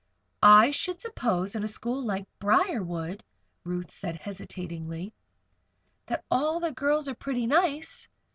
"I should suppose in a school like Briarwood," Ruth said, hesitatingly, "that all the girls are pretty nice."